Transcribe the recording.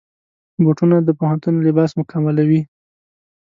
بوټونه د پوهنتون لباس مکملوي.